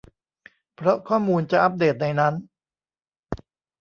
เพราะข้อมูลจะอัพเดทในนั้น